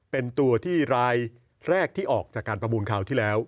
เป็นตัวที่รายแรกที่ออกจากการประมูลคราวที่แล้ว